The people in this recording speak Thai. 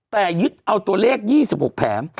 แต่ยึดเอาตัวเลข๒๖แผง